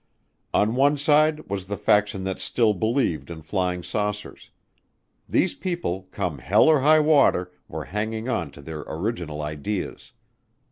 On one side was the faction that still believed in flying saucers. These people, come hell or high water, were hanging on to their original ideas.